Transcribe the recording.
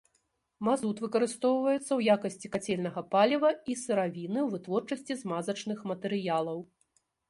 Мазут выкарыстоўваецца ў якасці кацельнага паліва і сыравіны ў вытворчасці змазачных матэрыялаў.